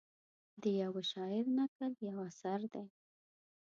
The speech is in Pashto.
د یوه شاعر نکل یو اثر دی.